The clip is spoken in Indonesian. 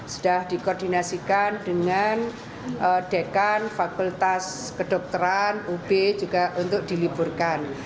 sudah dikoordinasikan dengan dekan fakultas kedokteran ub juga untuk diliburkan